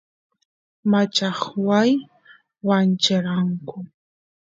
machajuay wancheranku